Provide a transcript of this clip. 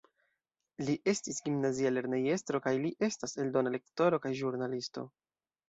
Li estis gimnazia lernejestro, kaj li estas eldona lektoro kaj ĵurnalisto.